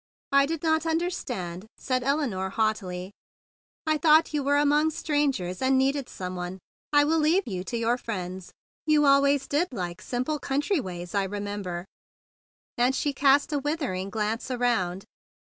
"I did not understand," said Elinore haughtily. "I thought you were among strangers, and needed some one. I will leave you to your friends. You always did like simple country ways, I re¬ member;" and she cast a withering glance around.